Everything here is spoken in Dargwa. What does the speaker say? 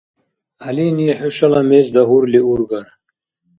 Гӏялини хӏушала мез дагьурли ургар.